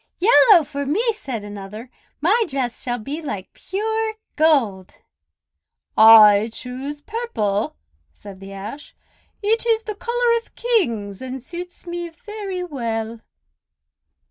"Yellow for me!" said another. "My dress shall be like pure gold." "I choose purple!" said the Ash. "It is the color of Kings, and suits me very well."